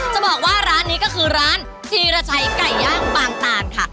จะบอกว่าร้านนี้ก็คือร้านธีรชัยไก่ย่างบางตานค่ะ